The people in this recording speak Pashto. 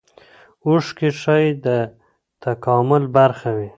اوښکې ښايي د تکامل برخه وي.